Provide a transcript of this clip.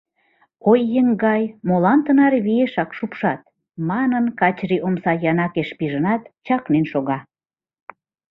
— Ой, еҥгай, молан тынаре виешак шупшат? — манын, Качырий омса янакеш пижынат, чакнен шога.